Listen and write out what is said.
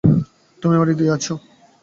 তুমি আমার হৃদয়েই আছো।